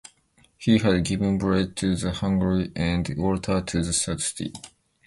He had given bread to the hungry and water to the thirsty.